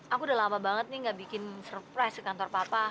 aku udah lama banget nih gak bikin surprise di kantor papa